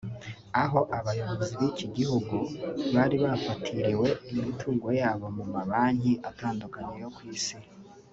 aho abayobozi b’iki gihugu bari bafatiriwe imitungo yabo mu mabanki atandukanye yo ku isi